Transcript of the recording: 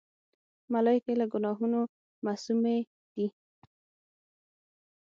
ملایکې له ګناهونو معصومی دي.